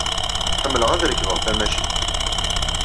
Ḥemmleɣ ad rekbeɣ tamacint.